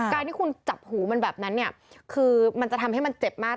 การที่คุณจับหูมันแบบนั้นเนี่ยคือมันจะทำให้มันเจ็บมาก